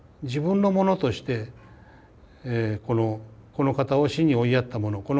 自分のものとしてこの方を死に追いやったもの